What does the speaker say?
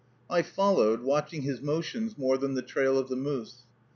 I followed, watching his motions more than the trail of the moose.